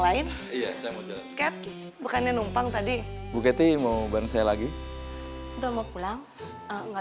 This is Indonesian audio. lain iya saya mau jalan cat bukannya numpang tadi buketi mau bareng saya lagi udah mau pulang nggak